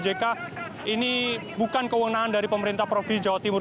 mereka ini bukan kewenangan dari pemerintah profil jawa timur